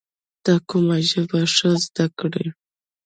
ته کوم ژبه ښه زده کړې؟